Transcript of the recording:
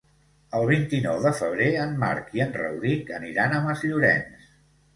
El vint-i-nou de febrer en Marc i en Rauric aniran a Masllorenç.